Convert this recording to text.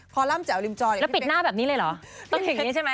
ร่ำแจ๋วริมจอยแล้วปิดหน้าแบบนี้เลยเหรอต้องอย่างนี้ใช่ไหม